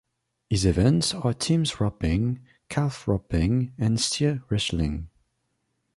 His events are team roping, calf roping, and steer wrestling.